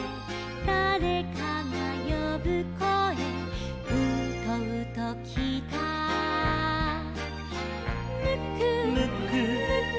「だれかがよぶこえうとうときいた」「ムック」「」「ムック」「」